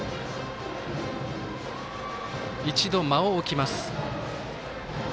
一度、間を置きます。